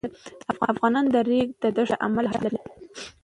افغانستان د د ریګ دښتې له امله شهرت لري.